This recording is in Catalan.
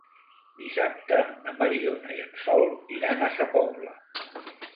Dissabte na Mariona i en Sol iran a Sa Pobla.